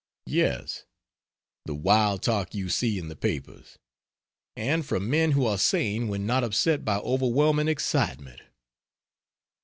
Yes, the wild talk you see in the papers! And from men who are sane when not upset by overwhelming excitement.